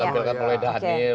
yang ditampilkan oleh dhanil